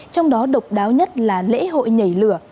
trong đó độc đáo nhất là lễ hội nhảy lửa